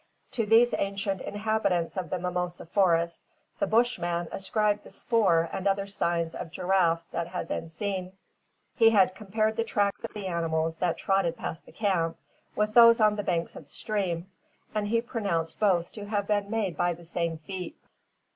To these ancient inhabitants of the mimosa forest, the Bushman ascribed the spoor and other signs of giraffes that had been seen. He had compared the tracks of the animals that trotted past the camp, with those on the banks of the stream, and he pronounced both to have been made by the same feet.